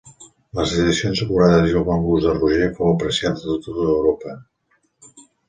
Les edicions acurades i el bon gust de Roger fou apreciat a tota Europa.